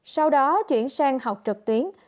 sau đó chuyển sang học trực tuyến